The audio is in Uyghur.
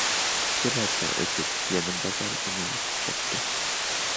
بىر ھەپتە ئۆتۈپ، يەنە بازار كۈنى يېتىپ كەپتۇ.